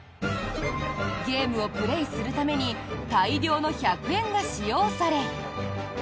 ゲームをプレーするために大量の百円が使用され。